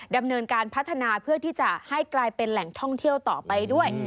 ดำเนินการพัฒนาเพื่อที่จะให้กลายเป็นแหล่งท่องเที่ยวต่อไปด้วย